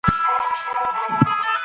ژبه د زده کړې استعداد لري.